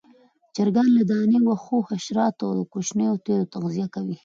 چرګان له دانې، واښو، حشراتو او کوچنيو تیلو تغذیه کوي.